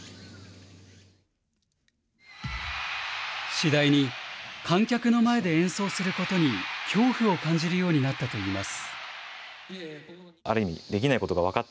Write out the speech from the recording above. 次第に観客の前で演奏することに恐怖を感じるようになったといいます。